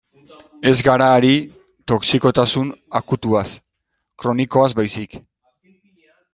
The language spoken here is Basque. Ez gara ari toxikotasun akutuaz, kronikoaz baizik.